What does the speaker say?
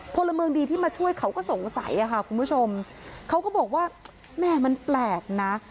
พลเมืองดีที่มาช่วยเขาก็สงสัยอะค่ะคุณผู้ชมเขาก็บอกว่าแม่มันแปลกนะ